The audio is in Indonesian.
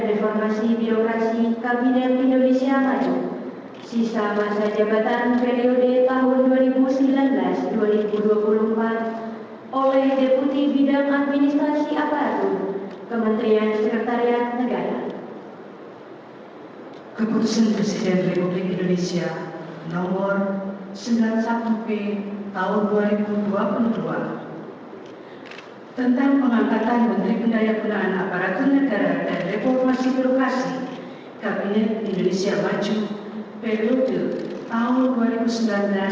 tentang pengangkatan menteri pendayang kedahan aparatun negara dan reformasi lokasi kabinet indonesia maju p r d tahun dua ribu sembilan belas dua ribu dua puluh empat